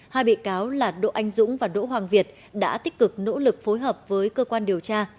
hai bị cáo là độ anh dũng và đỗ hoàng việt đã tích cực nỗ lực phối hợp với cơ quan điều tra